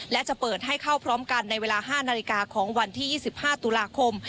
และจะเปิดให้เข้าพร้อมกันในเวลา๕นาฬิกาของวันที่๒๕ตุลาคม